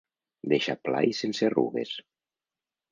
Deixar pla i sense arrugues.